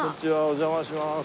お邪魔します。